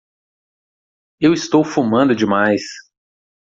Eu estou fumando demais.